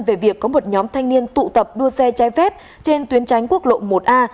về việc có một nhóm thanh niên tụ tập đua xe trái phép trên tuyến tránh quốc lộ một a